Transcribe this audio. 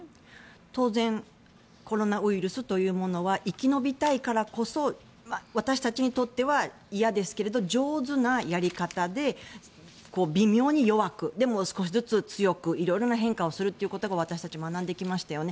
当然コロナウイルスというものは生き延びたいからこそ私たちにとっては嫌ですけど上手なやり方で微妙に弱くでも、少しずつ強く色々な変化をするということを私たち、学んできましたよね。